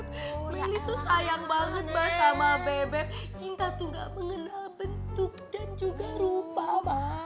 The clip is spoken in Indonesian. melih tuh sayang banget ma sama bebe cinta tuh gak mengenal bentuk dan juga rupa ma